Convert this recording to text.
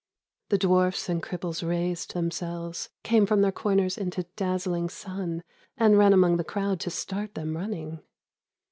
The dwarfs and cripples raised themselves, Came from their corners into dazzling sun And ran among the crowd to start them running.